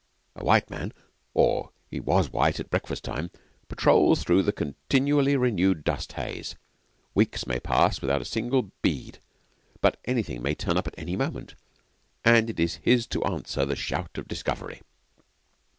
A white man or he was white at breakfast time patrols through the continually renewed dust haze. Weeks may pass without a single bead, but anything may turn up at any moment, and it is his to answer the shout of discovery.